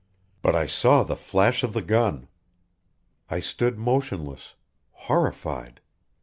But I saw the flash of the gun. I stood motionless, horrified.